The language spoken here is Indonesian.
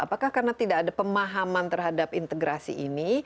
apakah karena tidak ada pemahaman terhadap integrasi ini